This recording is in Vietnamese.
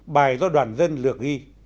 bài do đoàn dân lược ghi